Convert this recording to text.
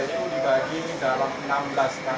masih ada kereta dan kereta